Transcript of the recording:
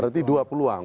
berarti dua peluang